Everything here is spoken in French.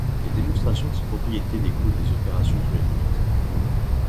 Les démonstrations de ces propriétés découlent des opérations sur les limites.